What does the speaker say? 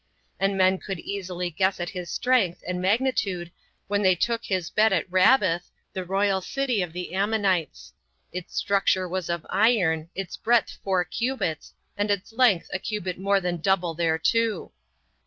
And men could easily guess at his strength and magnitude when they took his bed at Rabbath, the royal city of the Ammonites; its structure was of iron, its breadth four cubits, and its length a cubit more than double thereto.